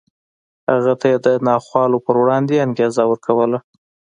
هغه ته یې د ناخوالو په وړاندې انګېزه ورکوله